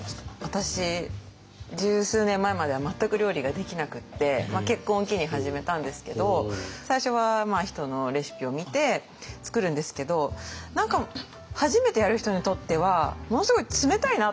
私十数年前までは全く料理ができなくって結婚を機に始めたんですけど最初は人のレシピを見て作るんですけど何か初めてやる人にとってはものすごい冷たいなと思ったんですよね。